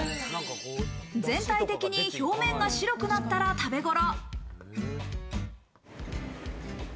全体的に表面が白くなったら食べごろ。